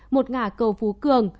một ngã cầu phú cường